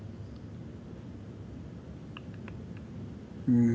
うん。